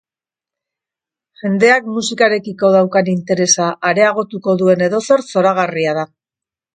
Jendeak musikarekiko daukan interesa areagtuko duen edozer zoragarria da.